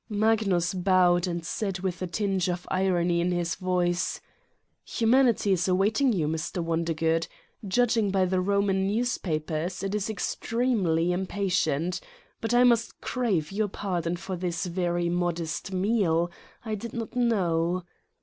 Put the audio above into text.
Magnus bowed and said with a tinge of irony in his voice : "Humanity is awaiting you, Mr. Wondergood. Judging by the Koman newspapers it is extremely impatient. But I must crave your pardon for this very modest meal : I did not know